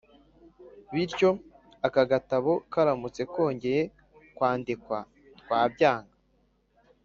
bityo aka gatabo karamutse kongeye kwandikwa, twabyanga